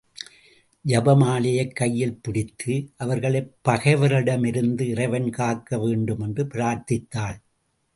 ஜப மாலையைக் கையில் பிடித்து, அவர்களைப் பகைவர்களிடமிருந்து இறைவன் காக்க வேண்டுமென்று பிரார்த்தித்தாள்.